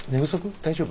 大丈夫？